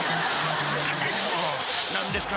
［何ですか？